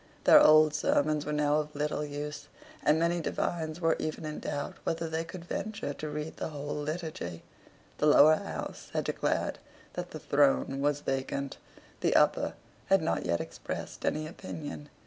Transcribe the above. Their old sermons were now of little use; and many divines were even in doubt whether they could venture to read the whole Liturgy. The Lower House had declared that the throne was vacant. The Upper had not yet expressed any opinion.